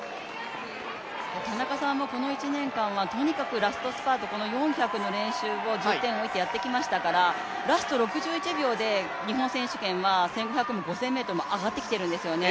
田中さんもこの一年間はラストスパート４００の練習に重点を置いてやってきましたからラスト６１秒で、日本選手権は１５００も５０００ｍも上がってきているんですよね。